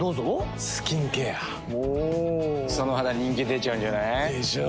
その肌人気出ちゃうんじゃない？でしょう。